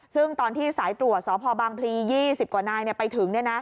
ซึ่งตอนที่สายตรวจสพบางพลี๒๐กว่านายไปถึง